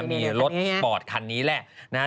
มีรถสปอร์ตคันนี้แหละนะฮะ